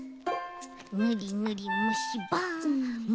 ぬりぬりむしばむしば。